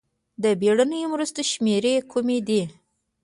د بېړنیو مرستو شمېرې کومې دي؟